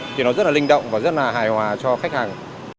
thì nó rất là linh động và rất là hài hòa cho khách hàng